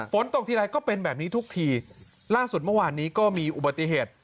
ฝนตกทีไรก็เป็นแบบนี้ทุกทีล่าสุดเมื่อวานนี้ก็มีอุบัติเหตุ